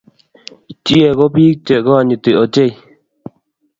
Chie ko biik che kikonyiti ochei.